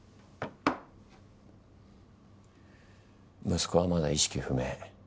息子はまだ意識不明。